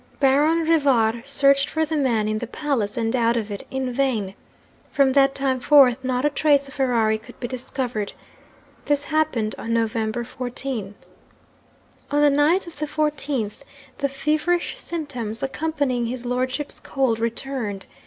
Baron Rivar searched for the man, in the palace and out of it, in vain. From that time forth not a trace of Ferrari could be discovered. This happened on November 14. 'On the night of the 14th, the feverish symptoms accompanying his lordship's cold returned.